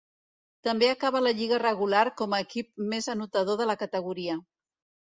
També acaba la lliga regular com a equip més anotador de la categoria.